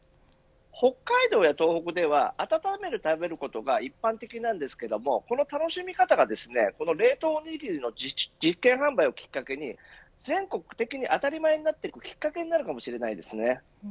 北海道や東北では温めて食べることが一般的なんですけど楽しみ方がこの冷凍おにぎりの実験販売をきっかけに全国的に当たり前になるきっかけになるかもしれません。